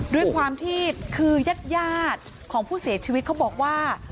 ด้วยความที่คือยาดของผู้เสียชีวิตเขาบอกว่า